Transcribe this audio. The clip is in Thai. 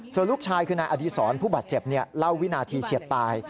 ส่วนลูกชายคือนายอดีศรผู้บาดเจ็บเล่าวินาทีเฉียดตาย